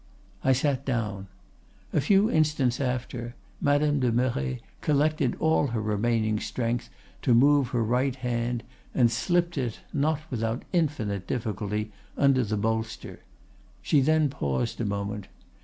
"'I sat down. A few instants after, Madame de Merret collected all her remaining strength to move her right hand, and slipped it, not without infinite difficulty, under the bolster; she then paused a moment.